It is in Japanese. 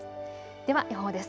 では予報です。